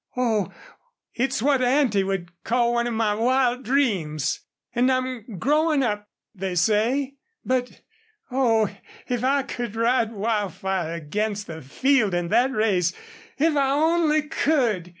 "Oh, it's what Auntie would call one of my wild dreams! ... And I'm growing up they say.... But Oh, if I could ride Wildfire against the field in that race.... If I ONLY COULD!"